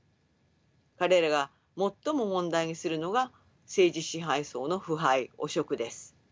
彼らが最も問題にするのが政治支配層の腐敗汚職です。